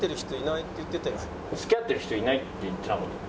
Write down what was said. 「付き合ってる人いないって言ってたよね？」。